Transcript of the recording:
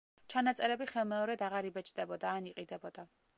ჩანაწერები ხელმეორედ აღარ იბეჭდებოდა ან იყიდებოდა.